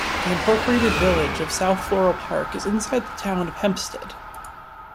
The Incorporated Village of South Floral Park is inside the Town of Hempstead.